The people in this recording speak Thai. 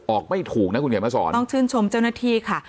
ไม่ถูกนะคุณเขียนมาสอนต้องชื่นชมเจ้าหน้าที่ค่ะ